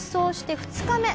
２日目に？